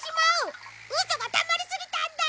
ウソがたまりすぎたんだ！